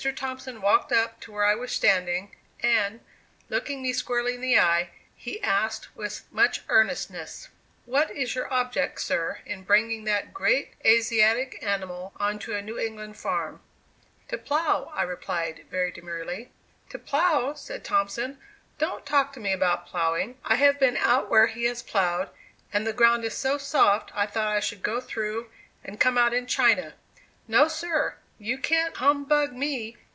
Thompson walked up to where I was standing, and, looking me squarely in the eyes, he asked with much earnestness: "What is your object, sir, in bringing that great Asiatic animal on to a New England farm?" "To plow," I replied very demurely. "To plow!" said Thompson; "don't talk to me about plowing! I have been out where he has plowed, and the ground is so soft I thought I should go through and come out in China. No, sir! You can't humbug me.